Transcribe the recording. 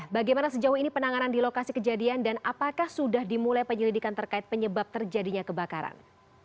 bagaimana sejauh ini penanganan di lokasi kejadian dan apakah sudah dimulai penyelidikan terkait penyebab terjadinya kebakaran